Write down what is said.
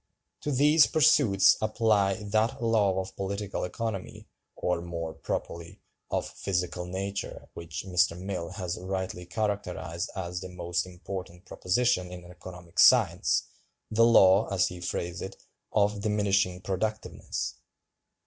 To these pursuits apply "that law of Political Economy, or, more properly, of physical nature, which Mr. Mill has rightly characterized as the most important proposition in economic science—the law, as he phrased it, of 'diminishing productiveness.